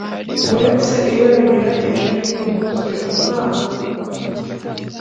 Uretse iyo binyuranyije n inyungu ze umwana